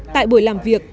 tại buổi làm việc